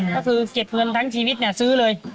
ก็คือเก็บเฟือนทั้งชีวิตซื้อเลย